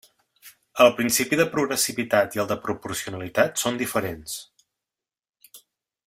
El principio de progressivitat i el de proporcionalitat són diferents.